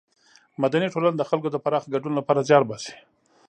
مدني ټولنه د خلکو د پراخه ګډون له پاره زیار باسي.